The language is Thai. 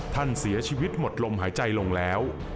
ท่านเสียชีวิตหมดลมหายใจลงแล้ว